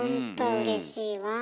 うれしいわ。